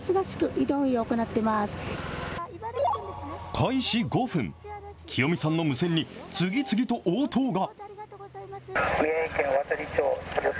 開始５分、喜代美さんの無線に次々と応答が。